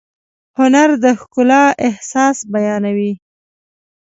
هنر د ښکلا احساس بیانوي.